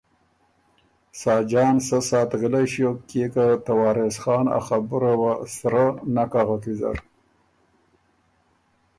ساجان سۀ ساعت غِلئ ݭیوک کيې که ته وارث خان ا خبُره وه سرۀ نک اغک ویزر۔